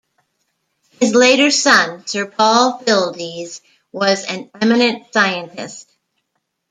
His later son, Sir Paul Fildes, was an eminent scientist.